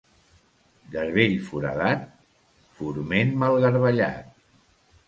Garbell foradat, forment mal garbellat.